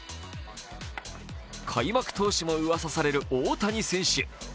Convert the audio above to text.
開幕投手もうわさされる大谷選手。